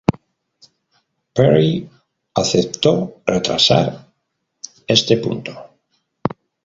Perry aceptó retrasar este punto.